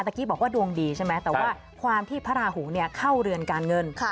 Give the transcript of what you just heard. กี้บอกว่าดวงดีใช่ไหมแต่ว่าความที่พระราหูเข้าเรือนการเงิน